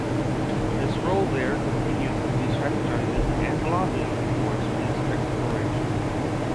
His role there continued to be strategizing and lobbying for space exploration.